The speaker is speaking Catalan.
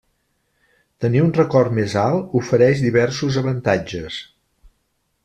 Tenir un record més alt ofereix diversos avantatges.